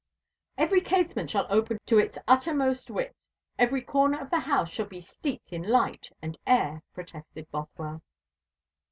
"Every casement shall open to its uttermost width every corner of the house shall be steeped in light and air," protested Bothwell.